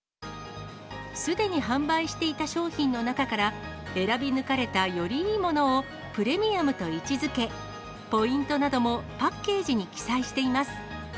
すでに販売していた商品の中から、選び抜かれたよりいいものをプレミアムと位置づけ、ポイントなどもパッケージに記載しています。